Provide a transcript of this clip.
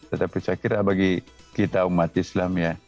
tetapi saya kira bagi kita umat islam ya